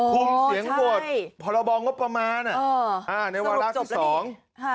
คุมเสียงโบสถ์พรบองงบประมาณในวันล่าสี่สอง